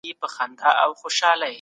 که ته شلومبې څښې.